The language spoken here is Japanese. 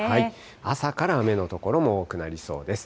朝から雨の所も多くなりそうです。